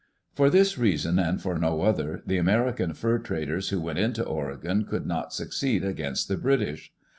For this reason, and for no other, the American fur traders who went into Oregon could not succeed against the British.